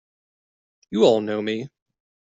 You all know me!